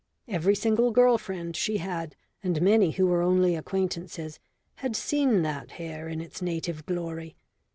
Every single girl friend she had, and many who were only acquaintances, had seen that hair in its native glory.